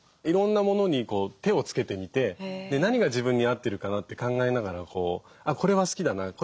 いろんなものに手をつけてみて何が自分に合ってるかな？って考えながらこう「これは好きだな」